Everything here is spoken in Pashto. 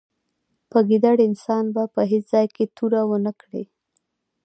په ګیدړ انسان به په هېڅ ځای کې توره و نه کړې.